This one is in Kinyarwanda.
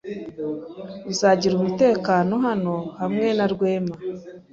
Uzagira umutekano hano hamwe na Rwema.